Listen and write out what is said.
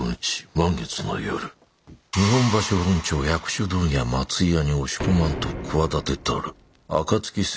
満月の夜日本橋本町薬種問屋松井屋に押し込まんと企てたる暁星